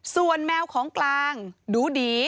ส่วนแมวของกลางดูดี